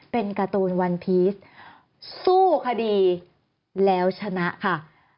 เป็นการ์ตูนวันพีชสู้คดีแล้วชนะค่ะ